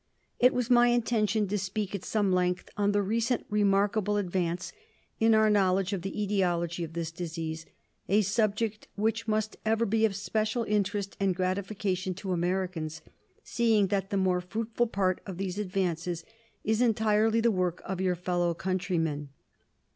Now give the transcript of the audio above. It was my intention to speak at some length on the recent remarkable advance in our knowledge of the etiology of this disease; a subject which must ever be of special interest and gratification to Americans, seeing that the more fruitful part of these advances is entirely the work of your fellow countrymen.